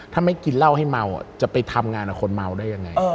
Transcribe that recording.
ถ้าไม่กินเหล้าให้เมาจะไปทำงานกับคนเมาได้ยังไง